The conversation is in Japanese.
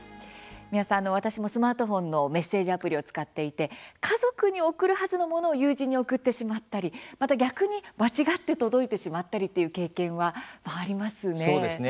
三輪さん、私もスマートフォンのメッセージアプリを使っていて家族に送るはずのものを友人に送ってしまったり、また逆に間違って届いてしまったりっていう経験は、ありますね。